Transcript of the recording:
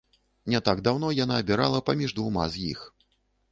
Не так даўно яна абірала паміж двума з іх.